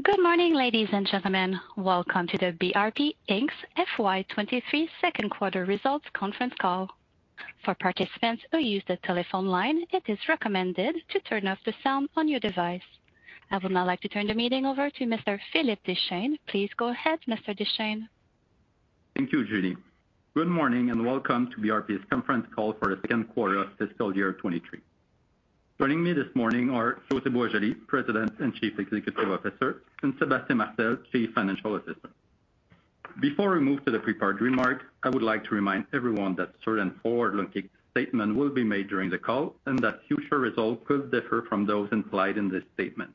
Good morning, ladies and gentlemen. Welcome to the BRP Inc.'s FY 2023 Second Quarter Results conference call. For participants who use the telephone line, it is recommended to turn off the sound on your device. I would now like to turn the meeting over to Mr. Philippe Deschênes. Please go ahead, Mr. Deschênes. Thank you, Julie. Good morning, and Welcome to BRP's Conference call for the second quarter of fiscal year 2023. Joining me this morning are José Boisjoli, President and Chief Executive Officer, and Sébastien Martel, Chief Financial Officer. Before we move to the prepared remarks, I would like to remind everyone that certain forward-looking statements will be made during the call and that future results could differ from those implied in these statements.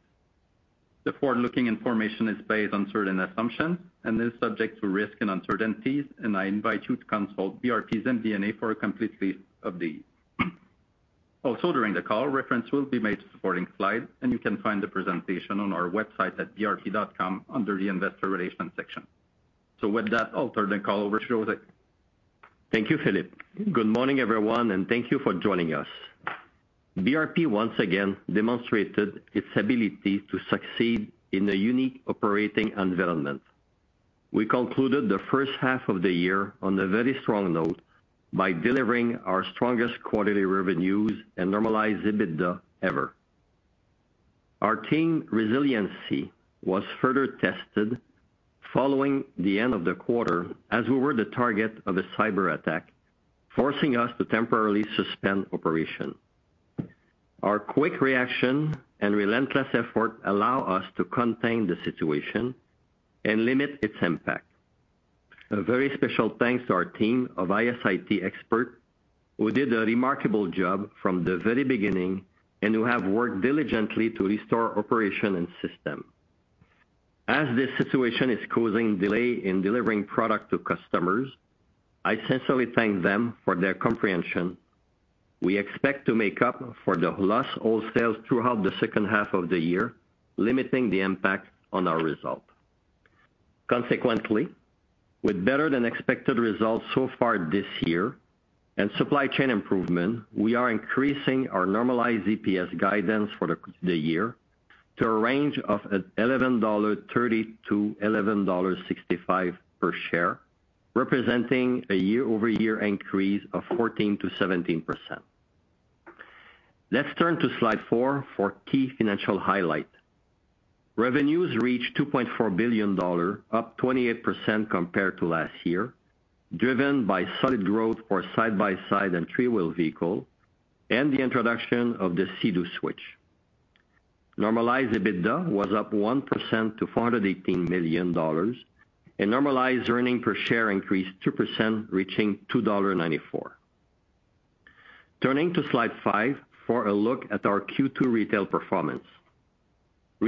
The forward-looking information is based on certain assumptions and is subject to risks and uncertainties, and I invite you to consult BRP's MD&A for a complete list of these. Also, during the call, reference will be made to supporting slides, and you can find the presentation on our website at brp.com under the investor relations section. With that, I'll turn the call over to José. Thank you, Philippe. Good morning, everyone, and thank you for joining us. BRP once again demonstrated its ability to succeed in a unique operating environment. We concluded the first half of the year on a very strong note by delivering our strongest quarterly revenues and normalized EBITDA ever. Our team resiliency was further tested following the end of the quarter as we were the target of a cyberattack, forcing us to temporarily suspend operations. Our quick reaction and relentless effort allowed us to contain the situation and limit its impact. A very special thanks to our team of IS&T experts who did a remarkable job from the very beginning and who have worked diligently to restore operations and systems. As this situation is causing delays in delivering products to customers, I sincerely thank them for their comprehension. We expect to make up for the lost all sales throughout the second half of the year, limiting the impact on our result. Consequently, with better than expected results so far this year and supply chain improvement, we are increasing our normalized EPS guidance for the year to a range of 11.30-11.65 dollar per share, representing a year-over-year increase of 14%-17%. Let's turn to slide four for key financial highlight. Revenues reached 2.4 billion dollar, up 28% compared to last year, driven by solid growth for side-by-side and three-wheel vehicle and the introduction of the Sea-Doo Switch. Normalized EBITDA was up 1% to 418 million dollars, and normalized earnings per share increased 2%, reaching 2.94 dollar. Turning to slide five for a look at our Q2 retail performance.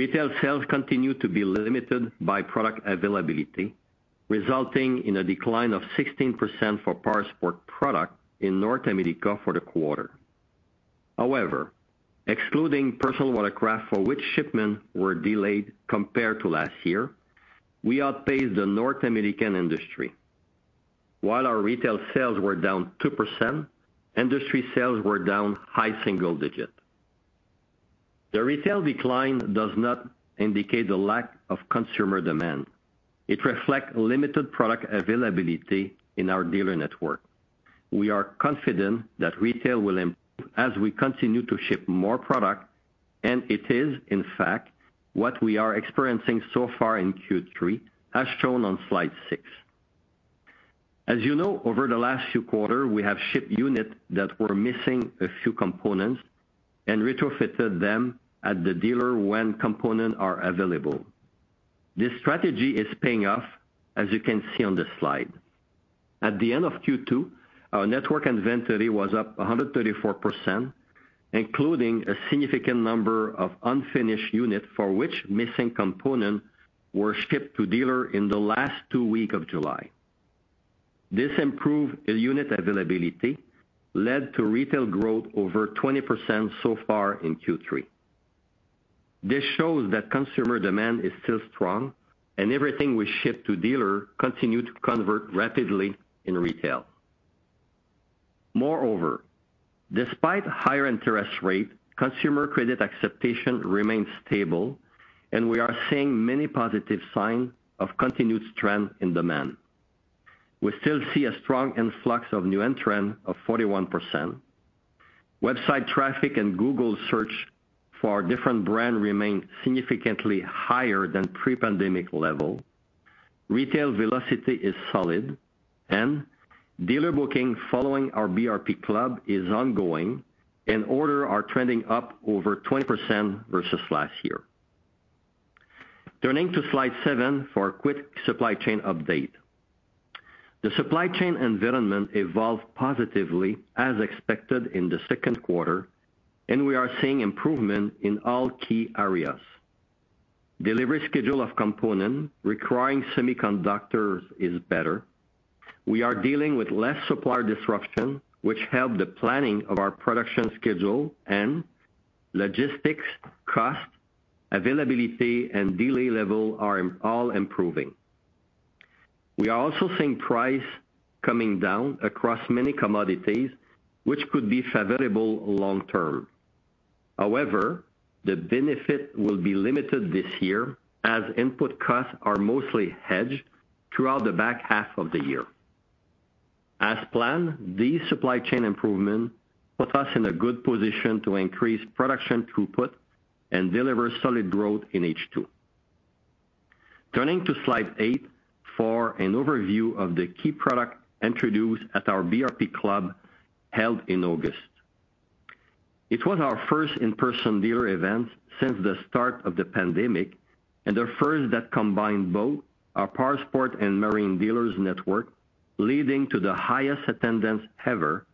Retail sales continued to be limited by product availability, resulting in a decline of 16% for powersports product in North America for the quarter. However, excluding personal watercraft, for which shipments were delayed compared to last year, we outpaced the North American industry. While our retail sales were down 2%, industry sales were down high single-digit percentage. The retail decline does not indicate a lack of consumer demand. It reflects limited product availability in our dealer network. We are confident that retail will improve as we continue to ship more product, and it is, in fact, what we are experiencing so far in Q3, as shown on slide six. As you know, over the last few quarters, we have shipped units that were missing a few components and retrofitted them at the dealer when components are available. This strategy is paying off, as you can see on this slide. At the end of Q2, our network inventory was up 134%, including a significant number of unfinished units for which missing components were shipped to dealers in the last two weeks of July. This improved unit availability led to retail growth over 20% so far in Q3. This shows that consumer demand is still strong and everything we ship to dealers continue to convert rapidly in retail. Moreover, despite higher interest rates, consumer credit acceptance remains stable and we are seeing many positive signs of continued trend in demand. We still see a strong influx of new entrants of 41%. Website traffic and Google search for our different brands remain significantly higher than pre-pandemic levels. Retail velocity is solid and dealer booking following our Club BRP is ongoing and orders are trending up over 20% versus last year. Turning to slide seven for a quick supply chain update. The supply chain environment evolved positively as expected in the second quarter, and we are seeing improvement in all key areas. Delivery schedule of components requiring semiconductors is better. We are dealing with less supplier disruption, which help the planning of our production schedule and logistics costs, availability and delay level are all improving. We are also seeing price coming down across many commodities, which could be favorable long term. However, the benefit will be limited this year as input costs are mostly hedged throughout the back half of the year. As planned, these supply chain improvement put us in a good position to increase production throughput and deliver solid growth in H2. Turning to slide eight for an overview of the key product introduced at our Club BRP held in August. It was our first in-person dealer event since the start of the pandemic, and the first that combined both our powersports and marine dealers network, leading to the highest attendance ever,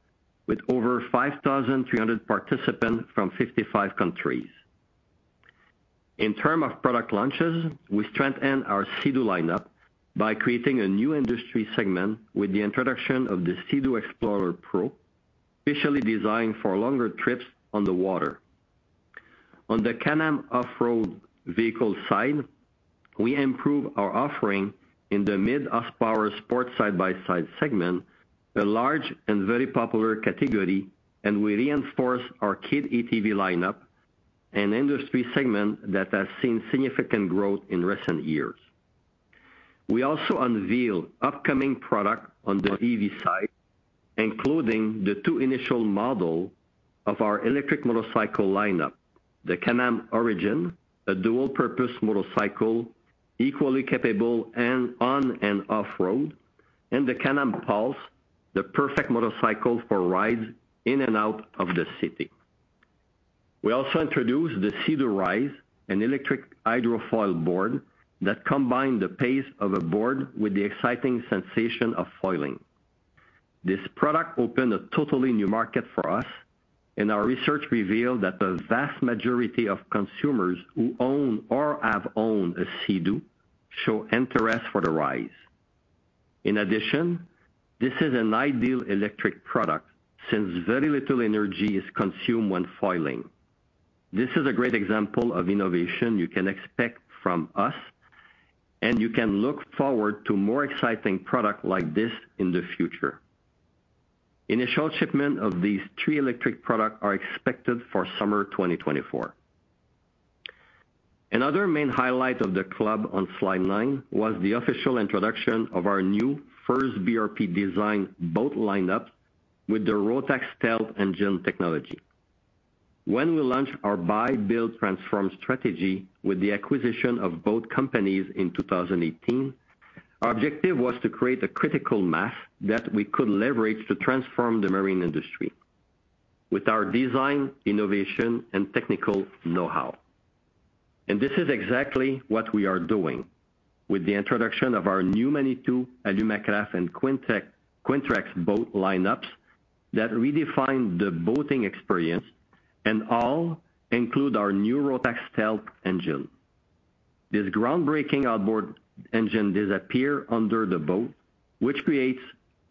with over 5,300 participants from 55 countries. In terms of product launches, we strengthened our Sea-Doo lineup by creating a new industry segment with the introduction of the Sea-Doo Explorer Pro, officially designed for longer trips on the water. On the Can-Am off-road vehicle side, we improved our offering in the mid-power sport side-by-side segment, a large and very popular category, and we reinforced our kid ATV lineup, an industry segment that has seen significant growth in recent years. We also unveil upcoming product on the EV side, including the two initial model of our electric motorcycle lineup. The Can-Am Origin, a dual-purpose motorcycle equally capable and on and off road, and the Can-Am Pulse, the perfect motorcycle for rides in and out of the city. We also introduced the Sea-Doo Rise, an electric hydrofoil board that combine the pace of a board with the exciting sensation of foiling. This product opened a totally new market for us, and our research revealed that the vast majority of consumers who own or have owned a Sea-Doo show interest for the Rise. In addition, this is an ideal electric product since very little energy is consumed when foiling. This is a great example of innovation you can expect from us, and you can look forward to more exciting product like this in the future. Initial shipment of these three electric product are expected for summer 2024. Another main highlight of the club on slide nine was the official introduction of our new first BRP design boat lineup with the Rotax S engine technology. When we launched our buy build transform strategy with the acquisition of boat companies in 2018, our objective was to create a critical mass that we could leverage to transform the marine industry with our design, innovation, and technical know-how. This is exactly what we are doing with the introduction of our new Manitou, Alumacraft, and Quintrex boat lineups that redefine the boating experience and all include our new Rotax S engine. This groundbreaking outboard engine disappear under the boat, which creates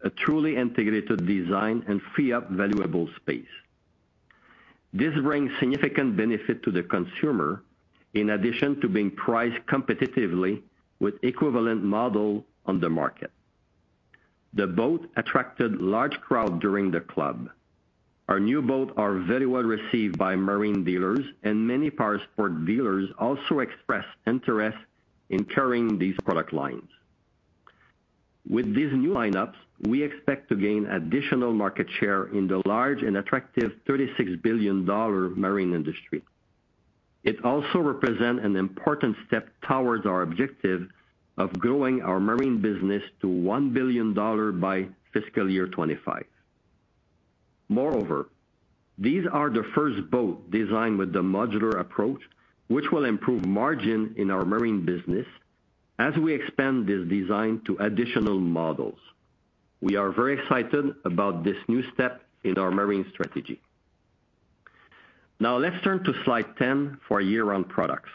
a truly integrated design and free up valuable space. This brings significant benefit to the consumer in addition to being priced competitively with equivalent model on the market. The boat attracted large crowd during the Club BRP. Our new boat are very well received by marine dealers, and many powersports dealers also expressed interest in carrying these product lines. With these new lineups, we expect to gain additional market share in the large and attractive 36 billion dollar marine industry. It also represent an important step towards our objective of growing our marine business to 1 billion dollar by fiscal year 2025. Moreover, these are the first boat designed with the modular approach, which will improve margin in our marine business as we expand this design to additional models. We are very excited about this new step in our marine strategy. Now let's turn to slide 10 for year-round products.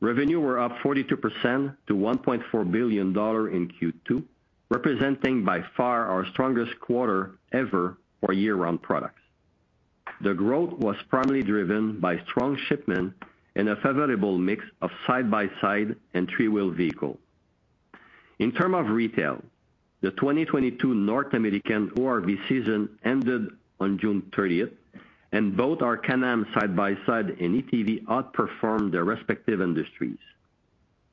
Revenue were up 42% to 1.4 billion dollar in Q2, representing by far our strongest quarter ever for year-round products. The growth was primarily driven by strong shipment and a favorable mix of side-by-side and three-wheeled vehicle. In terms of retail, the 2022 North American ORV season ended on June 30th, and both our Can-Am side-by-side and ATV outperformed their respective industries.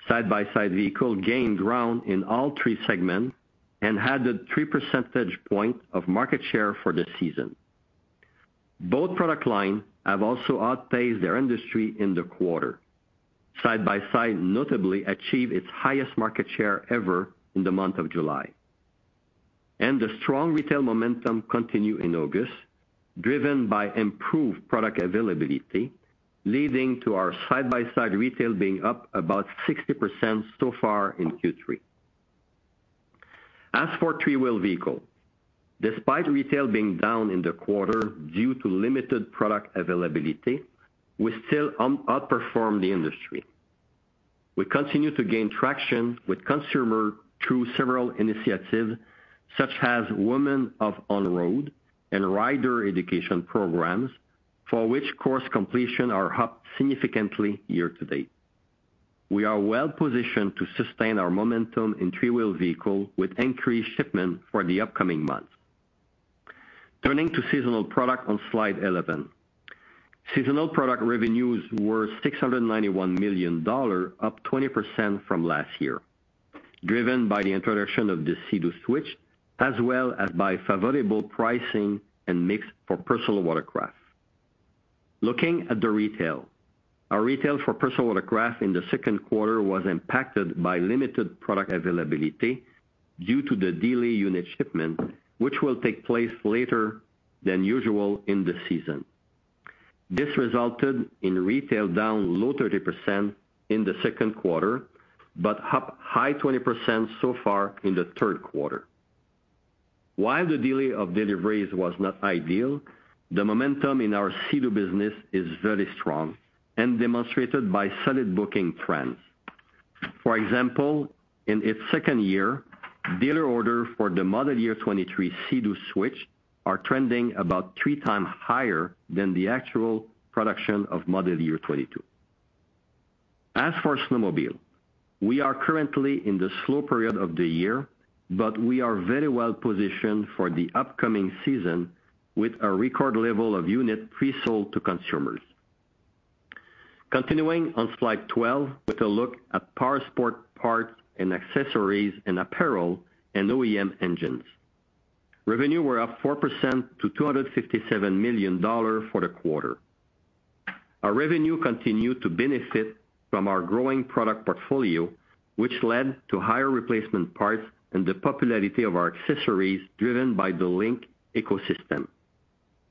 Side-by-side vehicle gained ground in all three segments and had a 3 percentage points of market share for the season. Both product line have also outpaced their industry in the quarter. Side-by-side notably achieve its highest market share ever in the month of July. The strong retail momentum continue in August, driven by improved product availability, leading to our side-by-side retail being up about 60% so far in Q3. As for three-wheel vehicle, despite retail being down in the quarter due to limited product availability, we still outperformed the industry. We continue to gain traction with consumers through several initiatives, such as Women of On-Road and rider education programs. For which course completion are up significantly year to date. We are well-positioned to sustain our momentum in three-wheel vehicle with increased shipment for the upcoming months. Turning to seasonal product on slide 11. Seasonal product revenues were 691 million dollars, up 20% from last year, driven by the introduction of the Sea-Doo Switch, as well as by favorable pricing and mix for personal watercraft. Looking at the retail. Our retail for personal watercraft in the second quarter was impacted by limited product availability due to the dealer unit shipment, which will take place later than usual in the season. This resulted in retail down low 30% in the second quarter, but up high 20% so far in the third quarter. While the delay of deliveries was not ideal, the momentum in our Sea-Doo business is very strong and demonstrated by solid booking trends. For example, in its second year, dealer order for the model year 2023 Sea-Doo Switch are trending about 3x higher than the actual production of model year 2022. As for snowmobile, we are currently in the slow period of the year, but we are very well positioned for the upcoming season with a record level of unit presold to consumers. Continuing on slide 12 with a look at powersports parts and accessories and apparel and OEM engines. Revenue were up 4% to 257 million dollars for the quarter. Our revenue continued to benefit from our growing product portfolio, which led to higher replacement parts and the popularity of our accessories driven by the LinQ ecosystem.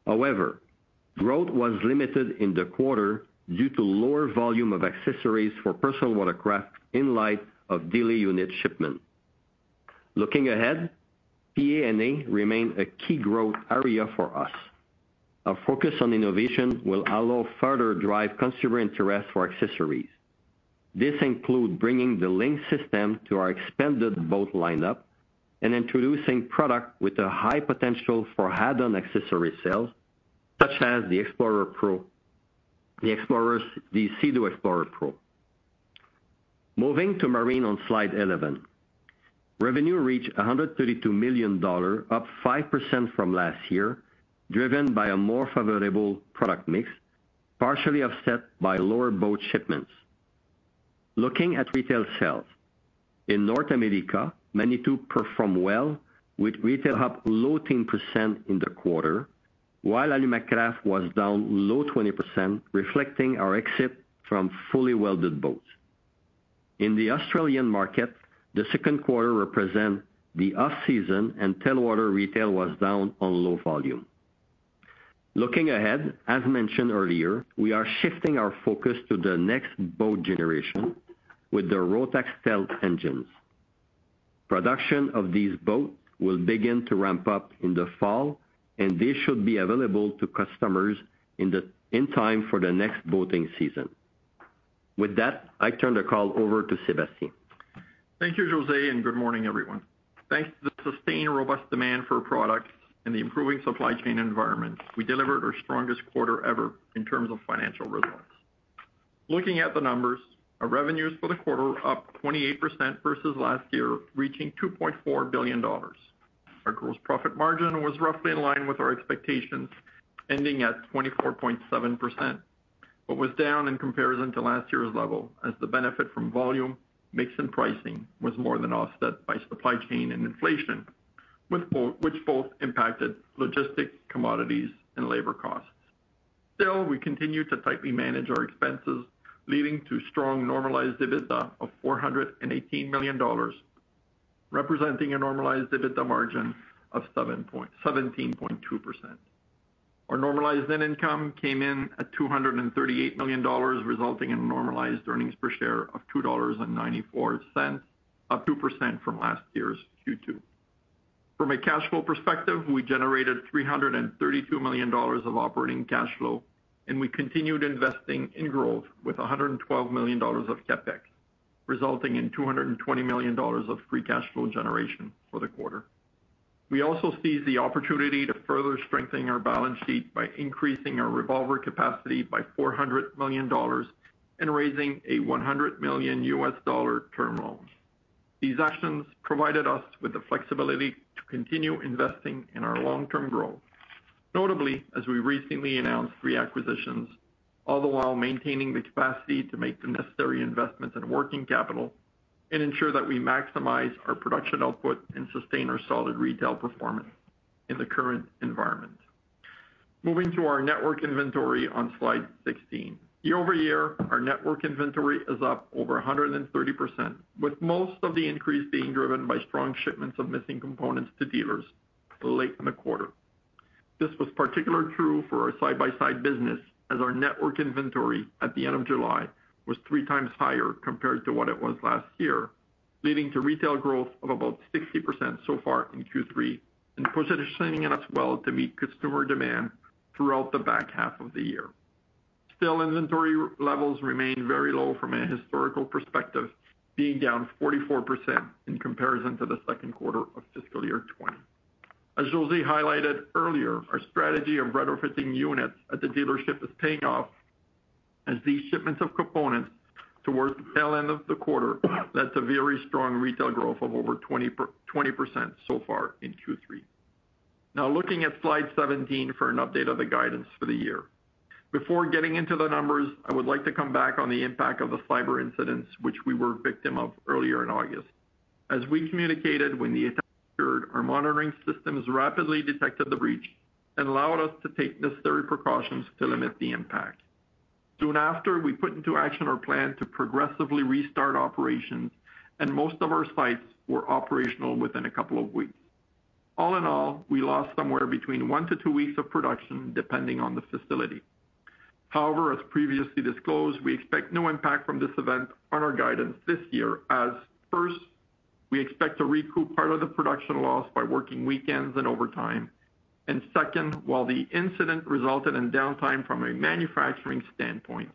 However, growth was limited in the quarter due to lower volume of accessories for personal watercraft in light of dealer unit shipment. Looking ahead, PA&A remains a key growth area for us. Our focus on innovation will allow further drive consumer interest for accessories. This includes bringing the LinQ system to our expanded boat lineup and introducing products with a high potential for add-on accessory sales, such as the Sea-Doo Explorer Pro. Moving to marine on slide 11. Revenue reached 132 million dollar, up 5% from last year, driven by a more favorable product mix, partially offset by lower boat shipments. Looking at retail sales. In North America, Manitou performed well with retail up low teens percentage in the quarter, while Alumacraft was down low 20%, reflecting our exit from fully welded boats. In the Australian market, the second quarter represents the off-season and dealer retail was down on low volume. Looking ahead, as mentioned earlier, we are shifting our focus to the next boat generation with the Rotax S engines. Production of these boats will begin to ramp up in the fall, and they should be available to customers in time for the next boating season. With that, I turn the call over to Sébastien. Thank you, José, and good morning, everyone. Thanks to the sustained robust demand for products and the improving supply chain environment, we delivered our strongest quarter ever in terms of financial results. Looking at the numbers, our revenues for the quarter up 28% versus last year, reaching 2.4 billion dollars. Our gross profit margin was roughly in line with our expectations, ending at 24.7%. Was down in comparison to last year's level as the benefit from volume, mix, and pricing was more than offset by supply chain and inflation, both of which impacted logistics, commodities, and labor costs. Still, we continue to tightly manage our expenses, leading to strong normalized EBITDA of 418 million dollars, representing a normalized EBITDA margin of 17.2%. Our normalized net income came in at 238 million dollars, resulting in normalized earnings per share of 2.94 dollars, up 2% from last year's Q2. From a cash flow perspective, we generated 332 million dollars of operating cash flow, and we continued investing in growth with 112 million dollars of CapEx, resulting in 220 million dollars of free cash flow generation for the quarter. We also seized the opportunity to further strengthen our balance sheet by increasing our revolver capacity by 400 million dollars and raising a $100 million term loans. These actions provided us with the flexibility to continue investing in our long-term growth. Notably, as we recently announced re-acquisitions, all the while maintaining the capacity to make the necessary investments in working capital and ensure that we maximize our production output and sustain our solid retail performance in the current environment. Moving to our network inventory on slide 16. Year-over-year, our network inventory is up over 130%, with most of the increase being driven by strong shipments of missing components to dealers late in the quarter. This was particularly true for our side-by-side business, as our network inventory at the end of July was three times higher compared to what it was last year, leading to retail growth of about 60% so far in Q3 and positioning it as well to meet customer demand throughout the back half of the year. Still inventory levels remain very low from a historical perspective, being down 44% in comparison to the second quarter of fiscal year 2020. As José highlighted earlier, our strategy of retrofitting units at the dealership is paying off as these shipments of components towards the tail end of the quarter. That's a very strong retail growth of over 20% so far in Q3. Now looking at slide 17 for an update of the guidance for the year. Before getting into the numbers, I would like to come back on the impact of the cyber incidents which we were victim of earlier in August. As we communicated when the attack occurred, our monitoring systems rapidly detected the breach and allowed us to take necessary precautions to limit the impact. Soon after, we put into action our plan to progressively restart operations, and most of our sites were operational within a couple of weeks. All in all, we lost somewhere between one-two weeks of production, depending on the facility. However, as previously disclosed, we expect no impact from this event on our guidance this year as first, we expect to recoup part of the production loss by working weekends and overtime. Second, while the incident resulted in downtime from a manufacturing standpoint,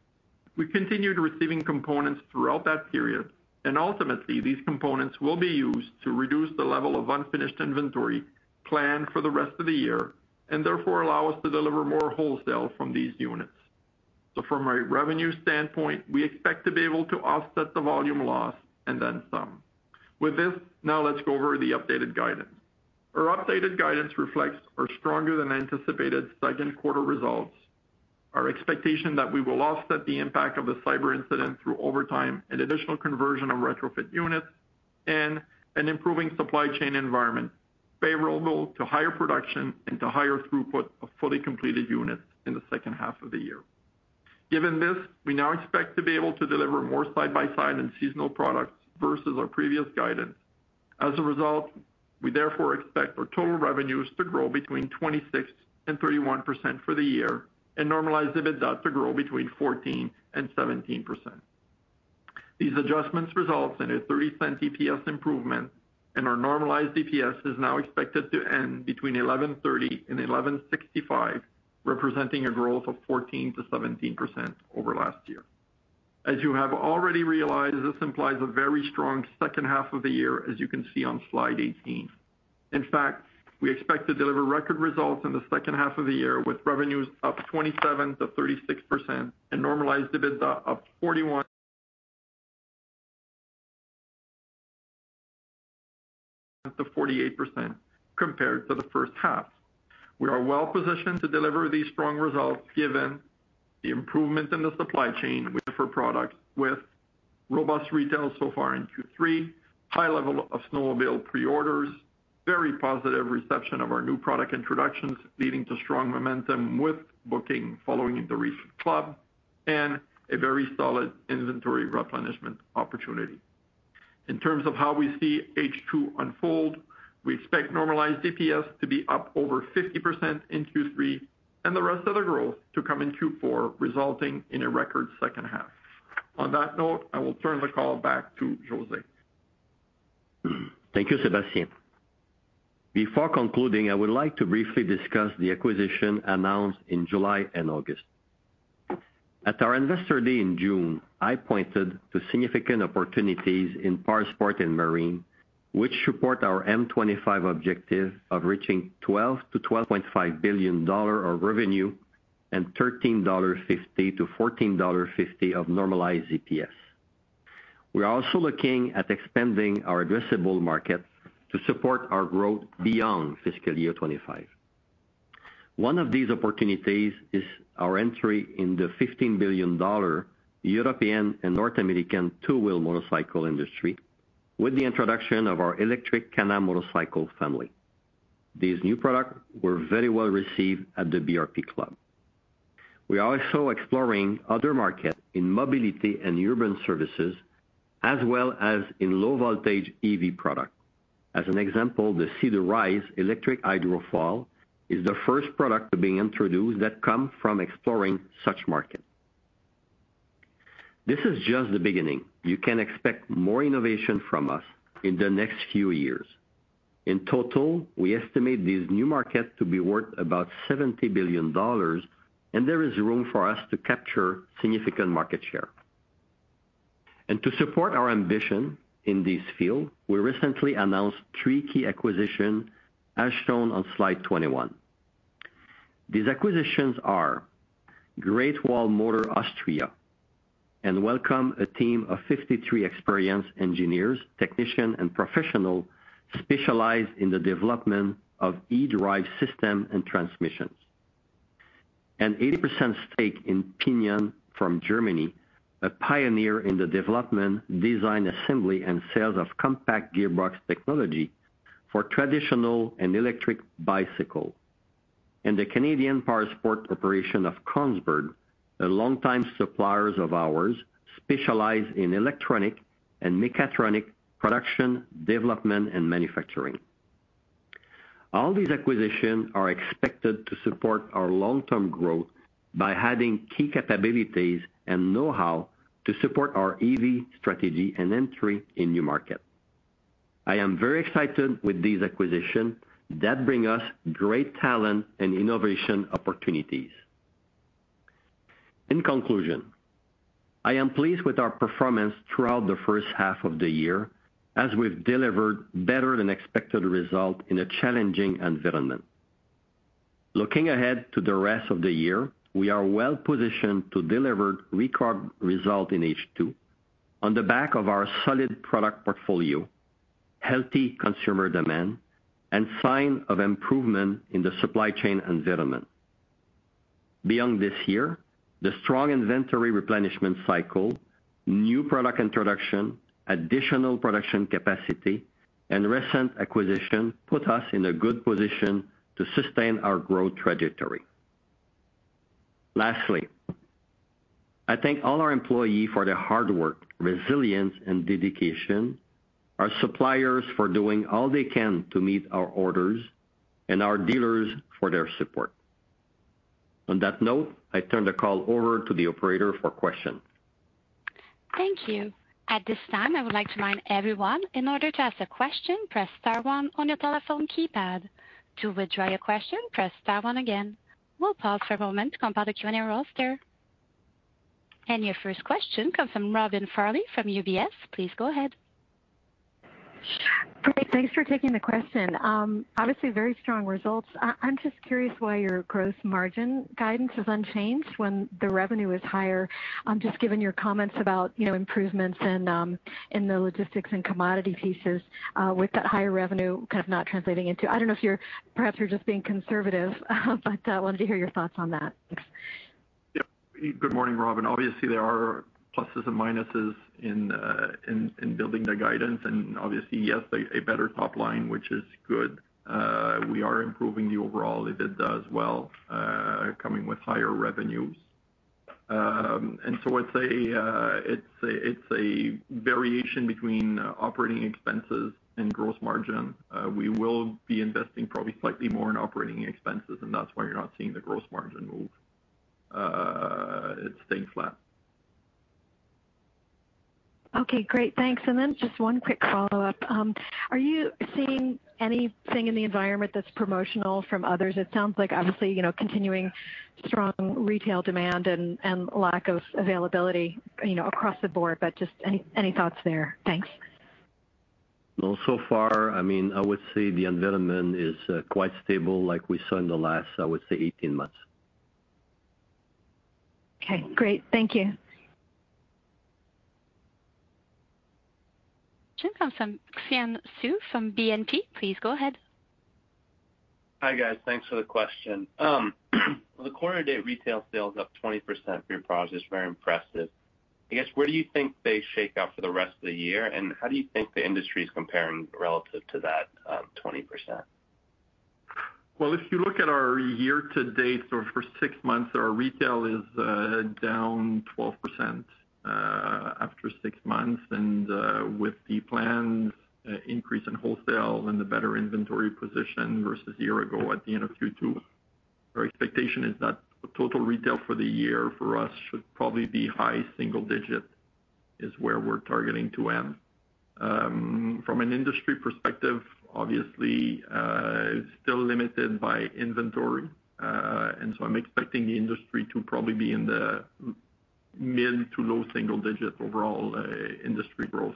we continued receiving components throughout that period, and ultimately these components will be used to reduce the level of unfinished inventory planned for the rest of the year, and therefore allow us to deliver more wholesale from these units. From a revenue standpoint, we expect to be able to offset the volume loss and then some. With this, now let's go over the updated guidance. Our updated guidance reflects our stronger than anticipated second quarter results. Our expectation that we will offset the impact of the cyber incident through overtime and additional conversion of retrofit units and an improving supply chain environment favorable to higher production and to higher throughput of fully completed units in the second half of the year. Given this, we now expect to be able to deliver more side-by-side and seasonal products versus our previous guidance. As a result, we therefore expect our total revenues to grow between 26% and 31% for the year and normalized EBITDA to grow between 14% and 17%. These adjustments results in a 0.03 EPS improvement, and our normalized EPS is now expected to end between 11.30 and 11.65, representing a growth of 14%-17% over last year. As you have already realized, this implies a very strong second half of the year, as you can see on slide 18. In fact, we expect to deliver record results in the second half of the year with revenues up 27%-36% and normalized EBITDA up 41%-48% compared to the first half. We are well positioned to deliver these strong results given the improvement in the supply chain with our products with robust retail so far in Q3, high level of snowmobile pre-orders, very positive reception of our new product introductions leading to strong momentum with bookings following the recent Club BRP, and a very solid inventory replenishment opportunity. In terms of how we see H2 unfold, we expect normalized EPS to be up over 50% in Q3 and the rest of the growth to come in Q4, resulting in a record second half. On that note, I will turn the call back to José. Thank you, Sébastien. Before concluding, I would like to briefly discuss the acquisition announced in July and August. At our investor day in June, I pointed to significant opportunities in powersports and marine, which support our M25 objective of reaching 12-12.5 billion dollar of revenue and $13.50-$14.50 of normalized EPS. We are also looking at expanding our addressable market to support our growth beyond fiscal year 2025. One of these opportunities is our entry in the 15 billion dollar European and North American two-wheel motorcycle industry with the introduction of our electric Can-Am motorcycle family. These new products were very well received at the Club BRP. We are also exploring other markets in mobility and urban services, as well as in low voltage EV products. As an example, the Sea-Doo Rise electric hydrofoil is the first product to be introduced that comes from exploring such markets. This is just the beginning. You can expect more innovation from us in the next few years. In total, we estimate these new markets to be worth about 70 billion dollars, and there is room for us to capture significant market share. To support our ambition in this field, we recently announced three key acquisitions as shown on slide 21. These acquisitions are Great Wall Motor Austria, and welcome a team of 53 experienced engineers, technicians and professionals specialized in the development of e-drive system and transmissions. An 80% stake in Pinion from Germany, a pioneer in the development, design, assembly, and sales of compact gearbox technology for traditional and electric bicycle. The Canadian powersports operation of Kongsberg, a longtime supplier of ours, specializes in electronic and mechatronic production, development and manufacturing. All these acquisitions are expected to support our long-term growth by adding key capabilities and know-how to support our EV strategy and entry in new markets. I am very excited with this acquisition that brings us great talent and innovation opportunities. In conclusion, I am pleased with our performance throughout the first half of the year as we've delivered better than expected results in a challenging environment. Looking ahead to the rest of the year, we are well-positioned to deliver record results in H2 on the back of our solid product portfolio, healthy consumer demand, and signs of improvement in the supply chain environment. Beyond this year, the strong inventory replenishment cycle, new product introduction, additional production capacity, and recent acquisition put us in a good position to sustain our growth trajectory. Lastly, I thank all our employees for their hard work, resilience, and dedication, our suppliers for doing all they can to meet our orders, and our dealers for their support. On that note, I turn the call over to the operator for questions. Thank you. At this time, I would like to remind everyone, in order to ask a question, press star one on your telephone keypad. To withdraw your question, press star one again. We'll pause for a moment to compile the Q&A roster. Your first question comes from Robin Farley from UBS. Please go ahead. Great. Thanks for taking the question. Obviously very strong results. I'm just curious why your gross margin guidance is unchanged when the revenue is higher. Just given your comments about, you know, improvements in the logistics and commodity pieces, with that higher revenue kind of not translating into, I don't know if you're perhaps just being conservative, but wanted to hear your thoughts on that. Thanks. Yep. Good morning, Robin. Obviously, there are pluses and minuses in building the guidance, and obviously, yes, a better top line, which is good. We are improving the overall EBITDA as well, coming with higher revenues. It's a variation between operating expenses and gross margin. We will be investing probably slightly more in operating expenses, and that's why you're not seeing the gross margin move. It stays flat. Okay, great. Thanks. Just one quick follow-up. Are you seeing anything in the environment that's promotional from others? It sounds like obviously, you know, continuing strong retail demand and lack of availability, you know, across the board, but just any thoughts there? Thanks. No, so far, I mean, I would say the environment is quite stable like we saw in the last, I would say 18 months. Okay, great. Thank you. Next comes from Xian Siew from BNP. Please go ahead. Hi, guys. Thanks for the question. The quarter to date retail sales up 20% for your products is very impressive. I guess, where do you think they shake out for the rest of the year, and how do you think the industry is comparing relative to that, 20%? Well, if you look at our year to date or first six months, our retail is down 12% after six months. With the planned increase in wholesale and the better inventory position versus a year ago at the end of Q2, our expectation is that total retail for the year for us should probably be high single digit, is where we're targeting to end. From an industry perspective, obviously, it's still limited by inventory, and so I'm expecting the industry to probably be in the mid-to-low single digit overall industry growth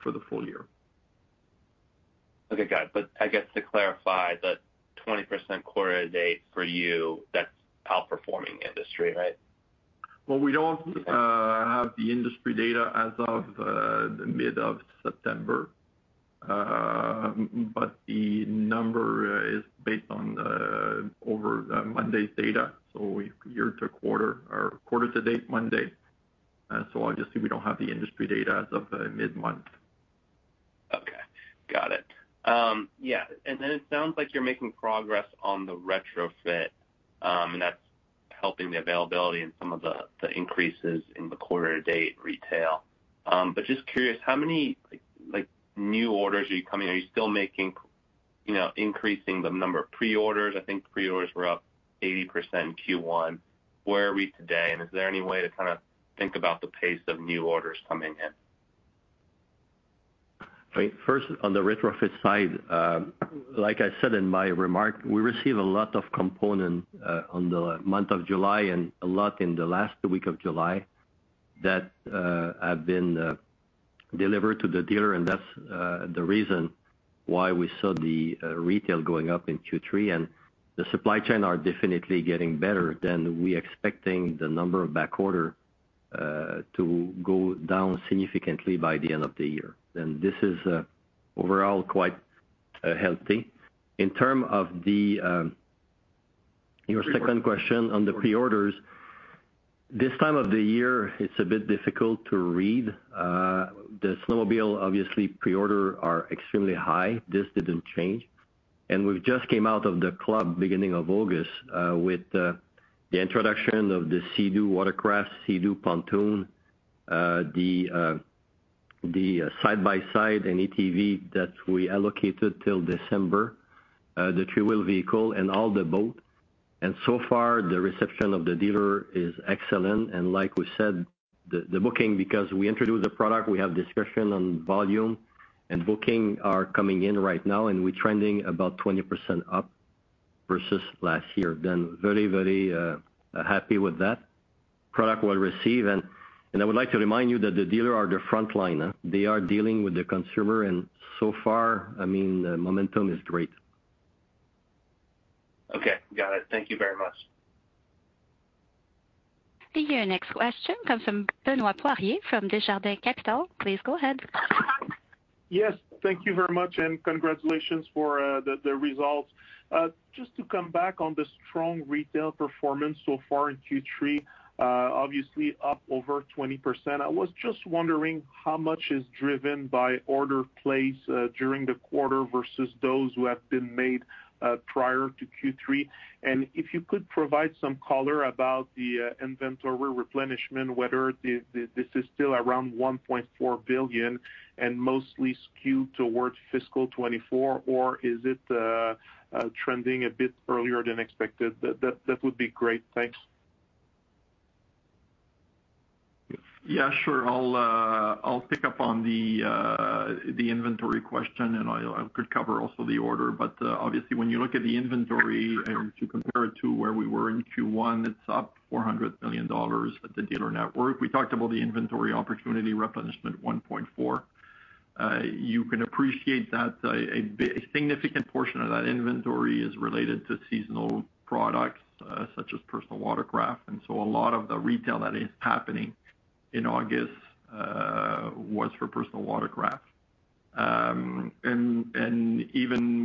for the full year. Okay, got it. I guess to clarify, that 20% quarter to date for you, that's outperforming industry, right? Well, we don't have the industry data as of the mid of September. The number is based on over the Monday's data, so year to quarter or quarter to date Monday. Obviously we don't have the industry data as of mid-month. Okay. Got it. Yeah. It sounds like you're making progress on the retrofit, and that's helping the availability and some of the increases in the quarter to date retail. Just curious, how many, like, new orders are you still making, you know, increasing the number of pre-orders? I think pre-orders were up 80% Q1. Where are we today, and is there any way to kinda think about the pace of new orders coming in? First, on the retrofit side, like I said in my remark, we received a lot of component on the month of July and a lot in the last week of July that have been delivered to the dealer, and that's the reason why we saw the retail going up in Q3. The supply chain are definitely getting better than we expecting the number of back order to go down significantly by the end of the year. This is overall quite healthy. In term of your second question on the pre-orders, this time of the year, it's a bit difficult to read. The snowmobile, obviously pre-order are extremely high. This didn't change. We've just came out of the Club BRP beginning of August, with the introduction of the Sea-Doo Watercraft, Sea-Doo Pontoon, the side-by-side and ATV that we allocated till December, the three-wheel vehicle and all the boat. So far, the reception of the dealer is excellent. Like we said, the booking, because we introduced the product, we have discussion on volume and booking are coming in right now, and we're trending about 20% up versus last year. Been very happy with that. Product well received. I would like to remind you that the dealer are the front liner. They are dealing with the consumer and so far, I mean, the momentum is great. Okay, got it. Thank you very much. Your next question comes from Benoit Poirier from Desjardins Capital. Please go ahead. Yes, thank you very much, and congratulations for the results. Just to come back on the strong retail performance so far in Q3, obviously up over 20%. I was just wondering how much is driven by order placed during the quarter versus those who have been made prior to Q3. If you could provide some color about the inventory replenishment, whether this is still around 1.4 billion and mostly skewed towards fiscal 2024, or is it trending a bit earlier than expected? That would be great. Thanks. Yeah, sure. I'll pick up on the inventory question, and I could cover also the order. Obviously, when you look at the inventory and to compare it to where we were in Q1, it's up 400 million dollars at the dealer network. We talked about the inventory opportunity replenishment 1.4. You can appreciate that a significant portion of that inventory is related to seasonal products, such as personal watercraft. A lot of the retail that is happening in August was for personal watercraft. Even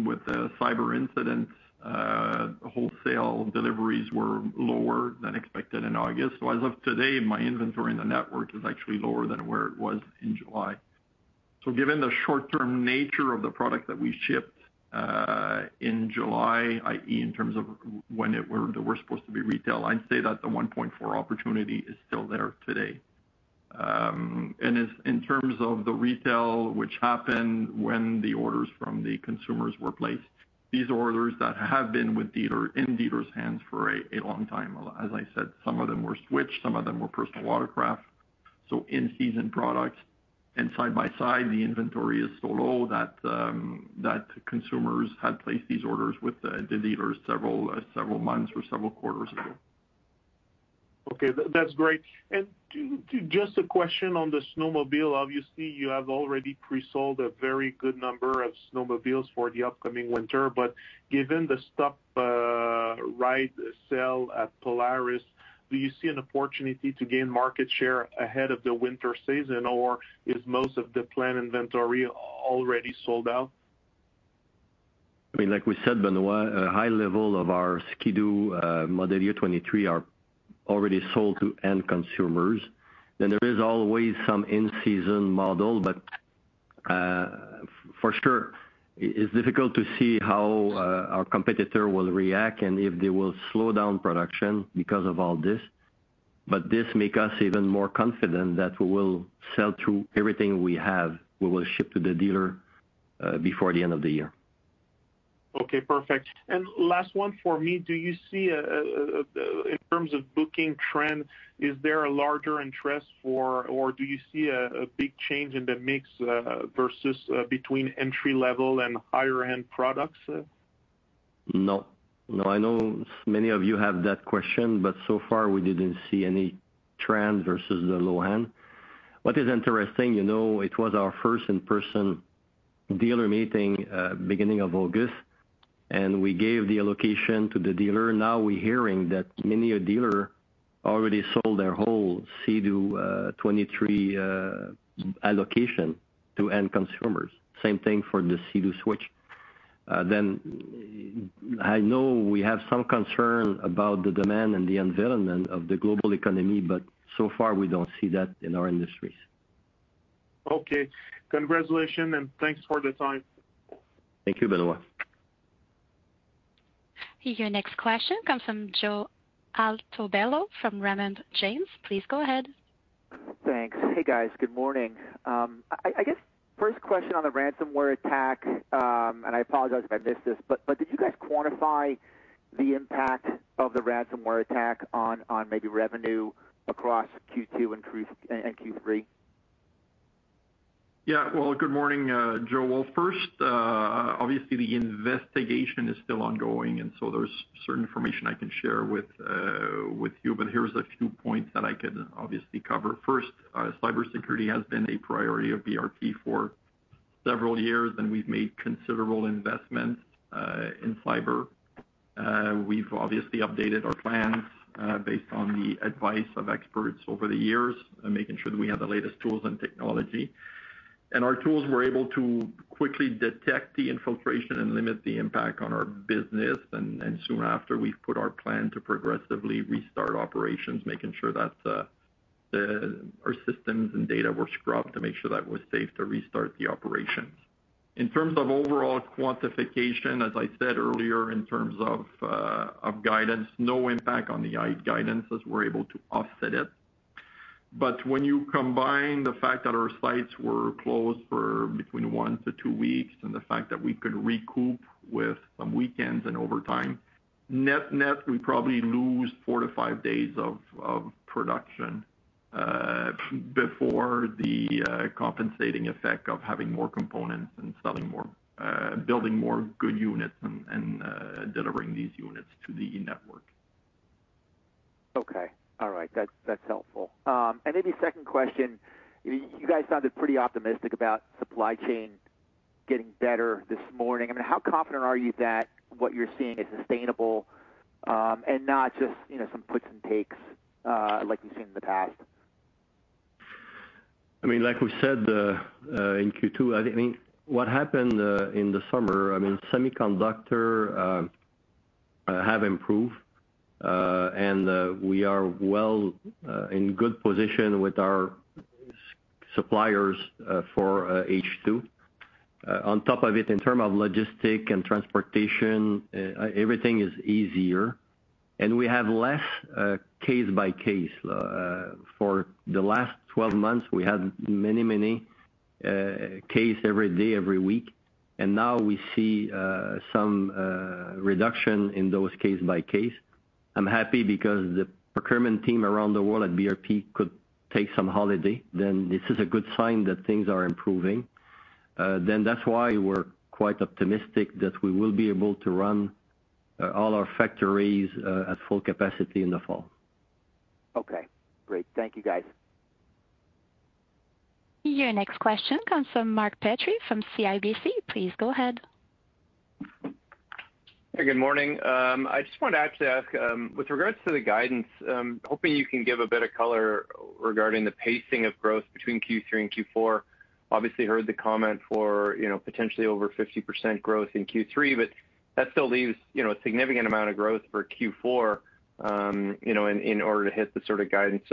with the cyber incident, wholesale deliveries were lower than expected in August. As of today, my inventory in the network is actually lower than where it was in July. Given the short-term nature of the product that we shipped in July, i.e., in terms of when they were supposed to be retail, I'd say that the 1.4 opportunity is still there today. As in terms of the retail which happened when the orders from the consumers were placed, these orders that have been with dealer in dealers hands for a long time. As I said, some of them were Switch, some of them were personal watercraft, so in-season products. Side by side, the inventory is so low that consumers had placed these orders with the dealers several months or several quarters ago. Okay, that's great. Just a question on the snowmobile. Obviously, you have already pre-sold a very good number of snowmobiles for the upcoming winter. Given the stop-ride-sale at Polaris, do you see an opportunity to gain market share ahead of the winter season, or is most of the planned inventory already sold out? I mean, like we said, Benoit, a high level of our Ski-Doo model year 2023 are already sold to end consumers. There is always some in-season model, but, for sure, it's difficult to see how our competitor will react and if they will slow down production because of all this. This make us even more confident that we will sell through everything we have. We will ship to the dealer before the end of the year. Okay, perfect. Last one for me. Do you see, in terms of booking trend, is there a larger interest for or do you see a big change in the mix versus between entry-level and higher-end products? No. No, I know many of you have that question, but so far we didn't see any trend versus the low end. What is interesting, you know, it was our first in-person dealer meeting, beginning of August, and we gave the allocation to the dealer. Now we're hearing that many a dealer already sold their whole Sea-Doo 2023 allocation to end consumers. Same thing for the Sea-Doo Switch. I know we have some concern about the demand and the environment of the global economy, but so far we don't see that in our industries. Okay. Congratulations and thanks for the time. Thank you, Benoit. Your next question comes from Joe Altobello from Raymond James. Please go ahead. Thanks. Hey, guys. Good morning. I guess first question on the ransomware attack, and I apologize if I missed this, but did you guys quantify the impact of the ransomware attack on maybe revenue across Q2 and Q3? Yeah. Well, good morning, Joe. Well, first, obviously the investigation is still ongoing, and so there's certain information I can share with you, but here's a few points that I can obviously cover. First, cybersecurity has been a priority of BRP for several years, and we've made considerable investments in cyber. We've obviously updated our plans based on the advice of experts over the years and making sure that we have the latest tools and technology. Our tools were able to quickly detect the infiltration and limit the impact on our business. Soon after, we've put our plan to progressively restart operations, making sure that our systems and data were scrubbed to make sure that it was safe to restart the operations. In terms of overall quantification, as I said earlier, in terms of guidance, no impact on the guidance as we're able to offset it. When you combine the fact that our sites were closed for between one-two weeks and the fact that we could recoup with some weekends and overtime, net-net, we probably lose four-five days of production before the compensating effect of having more components and selling more, building more good units and delivering these units to the network. Okay. All right. That's helpful. Maybe second question, you guys sounded pretty optimistic about supply chain getting better this morning. I mean, how confident are you that what you're seeing is sustainable, and not just, you know, some puts and takes, like you've seen in the past? I mean, like we said, in Q2, I think. I mean, what happened in the summer, I mean, semiconductors have improved, and we are well-positioned with our suppliers for H2. On top of it, in terms of logistics and transportation, everything is easier and we have less case by case. For the last 12 months, we had many cases every day, every week, and now we see some reduction in those case by case. I'm happy because the procurement team around the world at BRP could take some holiday. This is a good sign that things are improving. That's why we're quite optimistic that we will be able to run all our factories at full capacity in the fall. Okay, great. Thank you, guys. Your next question comes from Mark Petrie from CIBC. Please go ahead. Hey, good morning. I just wanted to actually ask, with regards to the guidance, hoping you can give a bit of color regarding the pacing of growth between Q3 and Q4. Obviously heard the comment for, you know, potentially over 50% growth in Q3, but that still leaves, you know, a significant amount of growth for Q4, you know, in order to hit the sort of guidance.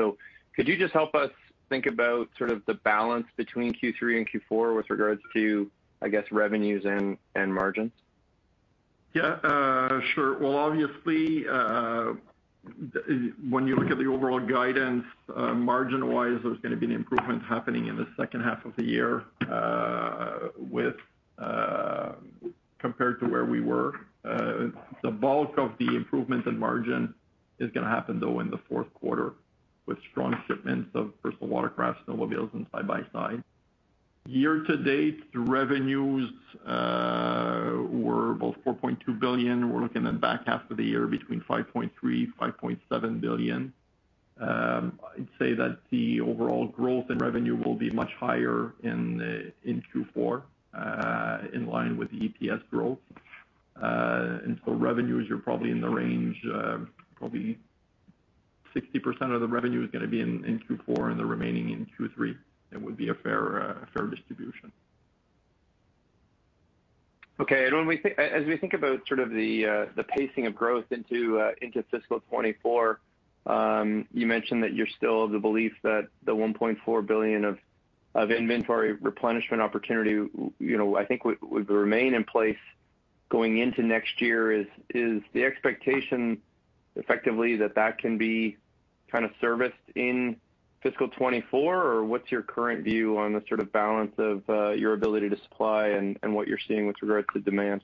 Could you just help us think about sort of the balance between Q3 and Q4 with regards to, I guess, revenues and margins? Yeah, sure. Well, obviously, when you look at the overall guidance, margin-wise, there's gonna be an improvement happening in the second half of the year compared to where we were. The bulk of the improvements in margin is gonna happen though in the fourth quarter with strong shipments of personal watercrafts, snowmobiles and side-by-side. Year-to-date, the revenues were about 4.2 billion. We're looking at back half of the year between 5.3 billion-5.7 billion. I'd say that the overall growth in revenue will be much higher in Q4, in line with the EPS growth. Revenues are probably in the range, probably 60% of the revenue is gonna be in Q4 and the remaining in Q3. It would be a fair distribution. Okay. When we think about sort of the pacing of growth into fiscal 2024, you mentioned that you're still of the belief that the 1.4 billion of inventory replenishment opportunity, you know, I think would remain in place going into next year. Is the expectation effectively that that can be kind of serviced in fiscal 2024? Or what's your current view on the sort of balance of your ability to supply and what you're seeing with regard to demand?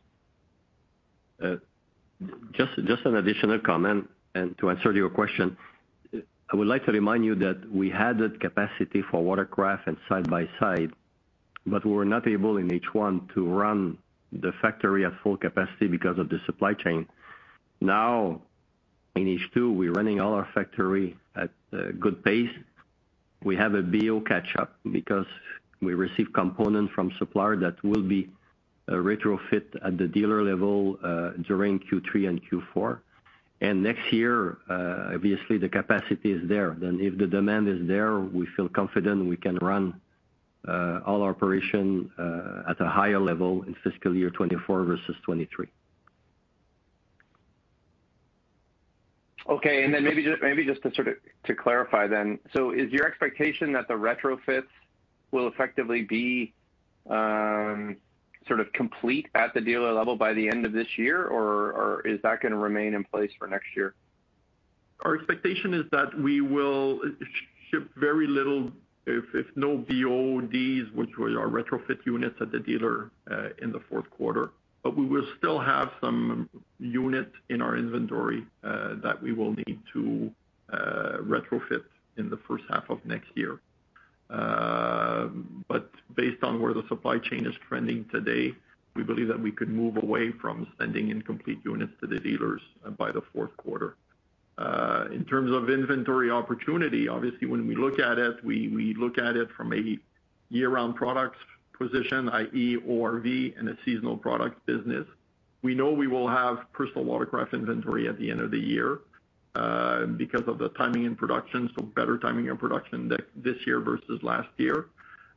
Just an additional comment, and to answer your question, I would like to remind you that we had the capacity for watercraft and side-by-side, but we were not able in H1 to run the factory at full capacity because of the supply chain. Now, in H2, we're running all our factory at a good pace. We have a BO catch up because we receive components from supplier that will be retrofit at the dealer level during Q3 and Q4. Next year, obviously the capacity is there. If the demand is there, we feel confident we can run all operation at a higher level in fiscal year 2024 versus 2023. Okay. Then maybe just to sort of clarify. Is your expectation that the retrofits will effectively be sort of complete at the dealer level by the end of this year? Or is that gonna remain in place for next year? Our expectation is that we will ship very little, if no BODs, which were our retrofit units at the dealer, in the fourth quarter. We will still have some units in our inventory that we will need to retrofit in the first half of next year. Based on where the supply chain is trending today, we believe that we could move away from sending incomplete units to the dealers by the fourth quarter. In terms of inventory opportunity, obviously, when we look at it, we look at it from a year-round products position, i.e. ORV and a seasonal product business. We know we will have personal watercraft inventory at the end of the year because of the timing in production, so better timing in production this year versus last year.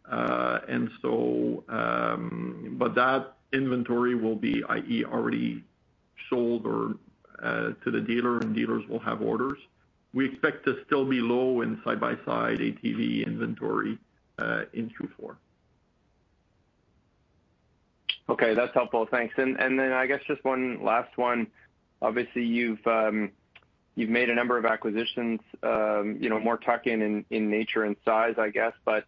that inventory will be, i.e., already sold or to the dealer, and dealers will have orders. We expect to still be low in side-by-side ATV inventory in Q4. Okay, that's helpful. Thanks. I guess just one last one. Obviously, you've made a number of acquisitions, you know, more tuck-in in nature and size, I guess, but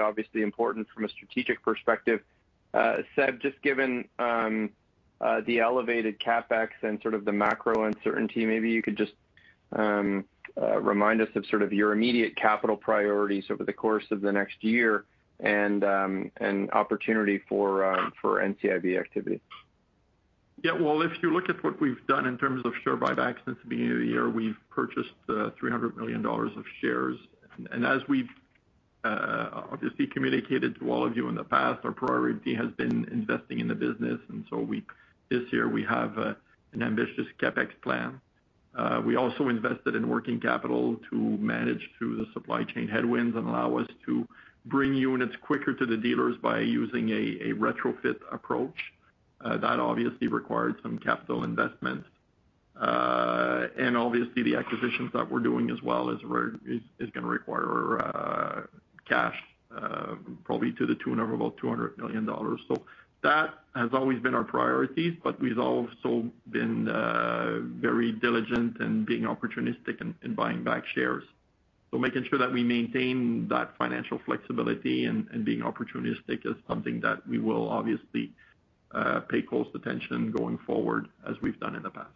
obviously important from a strategic perspective. Seb, just given the elevated CapEx and sort of the macro uncertainty, maybe you could just remind us of sort of your immediate capital priorities over the course of the next year and opportunity for NCIB activity. Yeah, well, if you look at what we've done in terms of share buybacks since the beginning of the year, we've purchased 300 million dollars of shares. As we've obviously communicated to all of you in the past, our priority has been investing in the business. This year we have an ambitious CapEx plan. We also invested in working capital to manage through the supply chain headwinds and allow us to bring units quicker to the dealers by using a retrofit approach. That obviously required some capital investment. Obviously the acquisitions that we're doing as well is gonna require cash probably to the tune of about 200 million dollars. That has always been our priorities, but we've also been very diligent and being opportunistic in buying back shares. Making sure that we maintain that financial flexibility and being opportunistic is something that we will obviously pay close attention going forward as we've done in the past.